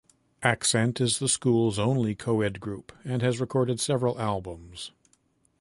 Accent is the school's only co-ed group and has recorded several albums.